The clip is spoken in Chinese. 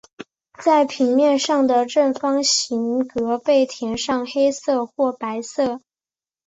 在平面上的正方形格被填上黑色或白色。